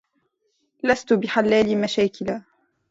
لست بحلال مشاكل.